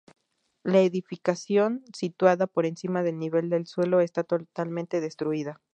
La edificación situada por encima del nivel del suelo esta totalmente destruida.